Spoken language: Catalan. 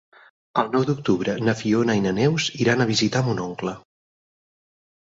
El nou d'octubre na Fiona i na Neus iran a visitar mon oncle.